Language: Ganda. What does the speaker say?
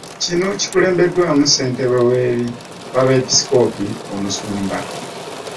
Kino kikulembeddwamu ssentebe w'abeepisikoopi omusumba